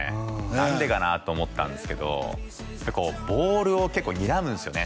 何でかな？と思ったんですけどこうボールを結構にらむんですよね